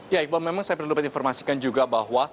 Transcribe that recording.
ya iqbal memang saya pernah lupa diinformasikan juga bahwa